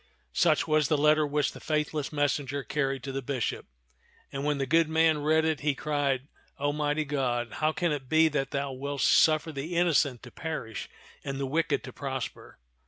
Such was the letter which the faithless messenger carried to the bishop ; and when the good man read it, he cried, "O mighty God, how can it be that thou wilt suffer the innocent to perish and the wicked to prosper?